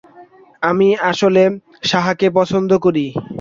আমি আসলে শাহকে পছন্দ করি।